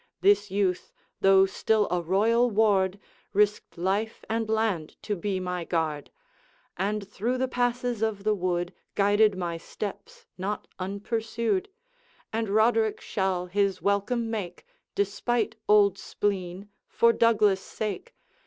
This youth, though still a royal ward, Risked life and land to be my guard, And through the passes of the wood Guided my steps, not unpursued; And Roderick shall his welcome make, Despite old spleen, for Douglas' sake.